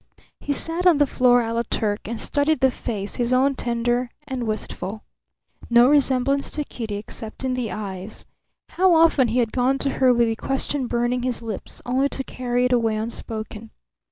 He sat on the floor a la Turk and studied the face, his own tender and wistful. No resemblance to Kitty except in the eyes. How often he had gone to her with the question burning his lips, only to carry it away unspoken!